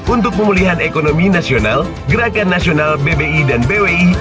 untuk pemulihan ekonomi nasional gerakan nasional bbi dan bwi